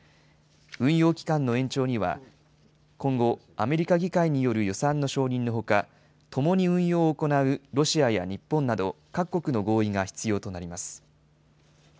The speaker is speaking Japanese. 運用期間の延長には、今後、アメリカ議会による予算の承認のほか、共に運用を行うロシアや日本など、各国の合意が必要となります。